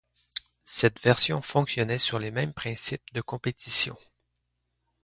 Cette version fonctionnait sur les mêmes principes de compétition.